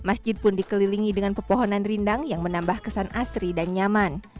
masjid pun dikelilingi dengan pepohonan rindang yang menambah kesan asri dan nyaman